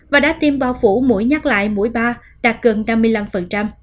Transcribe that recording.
và đã tiêm bao phủ mỗi nhắc lại mũi ba đạt gần năm mươi năm